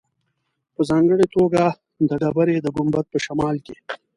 په ځانګړې توګه د ډبرې د ګنبد په شمال کې.